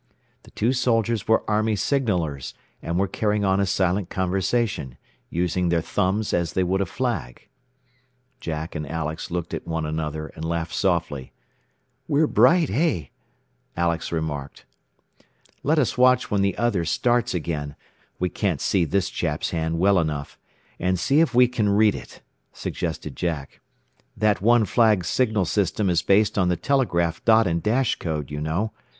The two soldiers were army signallers, and were carrying on a silent conversation, using their thumbs as they would a flag. Jack and Alex looked at one another and laughed softly. "We're bright, eh?" Alex remarked. "Let us watch when the other starts again we can't see this chap's hand well enough and see if we can't read it," suggested Jack. "That one flag signal system is based on the telegraph dot and dash code, you know.